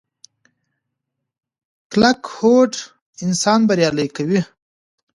کلکه هوډ انسان بریالی کوي.